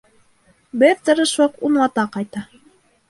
Бер тырышлыҡ унлата ҡайта.